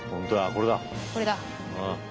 これだ。